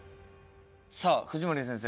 さあ藤森先生